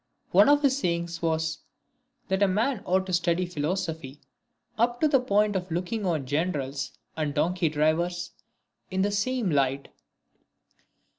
One of his sayings was, " That a man ought to study philosophy, up to the point of looking on generals and donkey drivers in the same light."